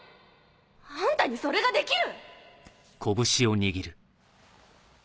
あんたにそれができる？